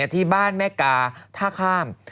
ที่บ้านแม่กาท่าข้าม